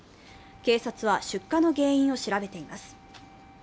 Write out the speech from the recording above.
警察は、出火の原因を調べています